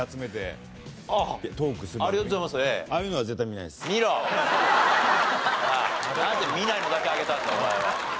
なんで見ないのだけ挙げたんだお前は。